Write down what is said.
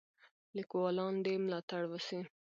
لیکوالان دې ملاتړ وسي.